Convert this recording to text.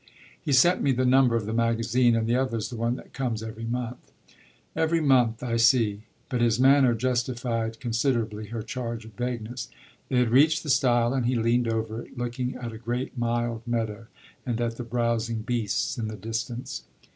"He sent me the number of the magazine, and the other's the one that comes every month." "Every month; I see" but his manner justified considerably her charge of vagueness. They had reached the stile and he leaned over it, looking at a great mild meadow and at the browsing beasts in the distance.